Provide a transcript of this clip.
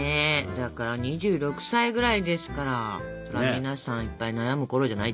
だから２６歳ぐらいですから皆さんいっぱい悩むころじゃない？